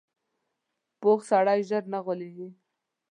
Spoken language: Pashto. پوخ سړی ژر نه غولېږي